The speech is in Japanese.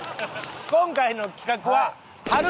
今回の企画は。